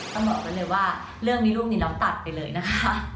ต้องบอกไว้เลยว่าเรื่องนี้รูปนี้เราตัดไปเลยนะคะ